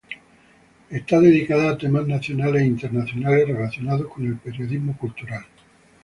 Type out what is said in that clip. Está dedicada a temas nacionales e internacionales relacionados con el periodismo cultural.